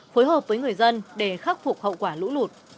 phối hợp với người dân để khắc phục hậu quả lũ lụt